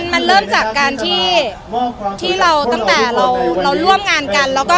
มันเริ่มจากการที่เราตั้งแต่เราร่วมงานกัน